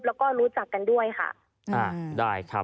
แล้วก็รู้จักกันด้วยค่ะ